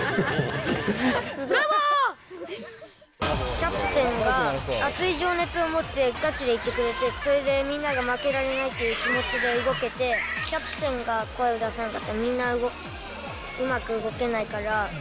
キャプテンが熱い情熱を持ってガチでいってくれて、それでみんなが負けられないという気持ちで動けて、キャプテンが声を出さなかったら、みんなうまく動けないから。